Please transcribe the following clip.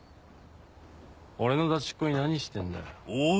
・俺のダチっ子に何してんだよ。